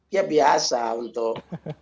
ya biasa untuk